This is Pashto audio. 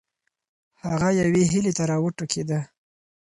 هغه یوې هیلې ته راوټوکېده.